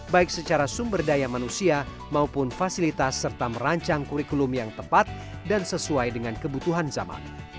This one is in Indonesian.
baik secara sumber daya manusia maupun fasilitas serta merancang kurikulum yang tepat dan sesuai dengan kebutuhan zaman